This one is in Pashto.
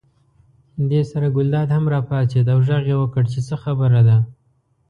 دې سره ګلداد هم راپاڅېد او غږ یې وکړ چې څه خبره ده.